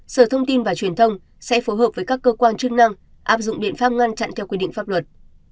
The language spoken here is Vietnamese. sở thông tin và truyền thông sẽ phối hợp với các cơ quan chức năng áp dụng biện pháp ngăn chặn theo quy định pháp luật